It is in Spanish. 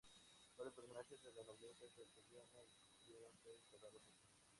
Varios personajes de la nobleza castellana dispusieron ser enterrados aquí.